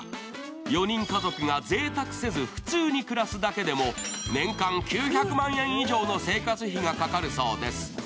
４人家族がぜいたくせず普通に暮らすだけでも年間９００万円以上の生活費がかかるそうです。